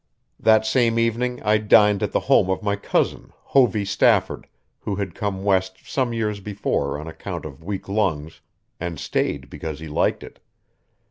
That same evening I dined at the home of my cousin, Hovey Stafford, who had come West some years before on account of weak lungs, and stayed because he liked it.